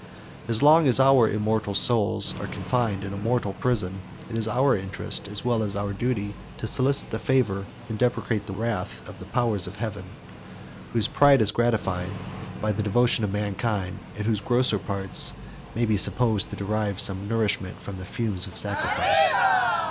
As long as our immortal souls are confined in a mortal prison, it is our interest, as well as our duty, to solicit the favor, and to deprecate the wrath, of the powers of heaven; whose pride is gratified by the devotion of mankind; and whose grosser parts may be supposed to derive some nourishment from the fumes of sacrifice.